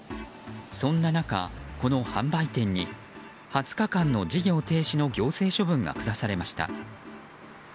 そんな中、この販売店に２０日間の事業停止の行政処分が下されました。